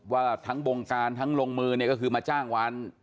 ว่าทั้งบงการทั้งลงมือเนี่ยก็คือมาจ้างวัน